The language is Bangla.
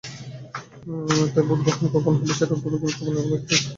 তাই ভোট গ্রহণ কখন হবে, সেটা অত্যন্ত গুরুত্বপূর্ণ, এমনকি রাজনৈতিক সমঝোতার প্রশ্নেও।